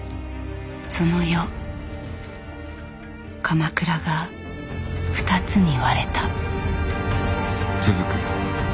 その夜鎌倉が２つに割れた。